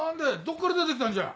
どっから出て来たんじゃ？